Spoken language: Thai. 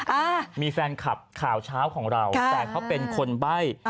อ่ามีแฟนคลับข่าวเช้าของเราแต่เขาเป็นคนใบ้